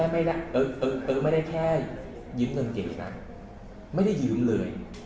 หรือไม่ได้ยืมเลย